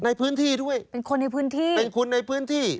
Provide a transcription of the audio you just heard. ในพื้นที่ด้วยเป็นคนในพื้นที่เป็นคนในพื้นที่